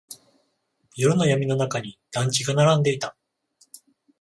夜の闇の中に団地が並んでいた。